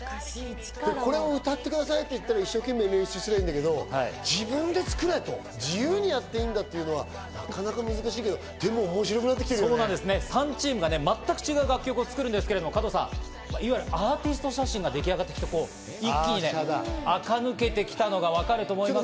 これを歌ってくださいって言われたら一生懸命練習するだけだけど、自分で作らないと、自由にやっていいっていうのは、なかなか難し３チームが全く違う楽曲を作るんですけど、いわゆるアーティスト写真が出来上がってきて、一気に垢抜けてきたのが分かると思います。